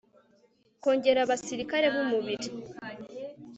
kongera abasirikare b'umubiri